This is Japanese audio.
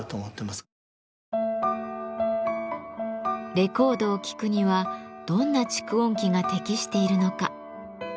レコードを聴くにはどんな蓄音機が適しているのか。